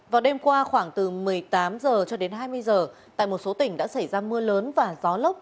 vào đêm qua khoảng từ một mươi tám h cho đến hai mươi h tại một số tỉnh đã xảy ra mưa lớn và gió lốc